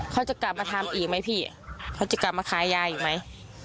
เขาจะกลับมาทำอีกไหมพี่เขาจะกลับมาขายยาอีกไหม